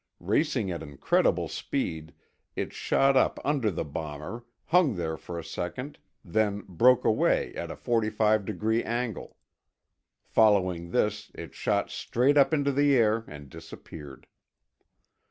Racing at incredible speed, it shot up under the bomber, hung there for a second, then broke away at a 45 degree angle. Following this, it shot straight up into the air and disappeared.